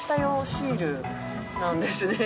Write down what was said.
シールなんですね。